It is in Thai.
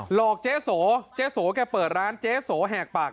หลอกเจ๊โสเจ๊โสแกเปิดร้านเจ๊โสแหกปาก